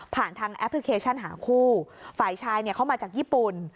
ทางแอปพลิเคชันหาคู่ฝ่ายชายเนี่ยเขามาจากญี่ปุ่น